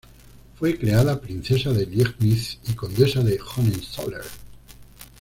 Fue creada Princesa de Liegnitz y Condesa de Hohenzollern.